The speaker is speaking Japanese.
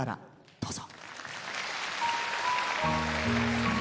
どうぞ。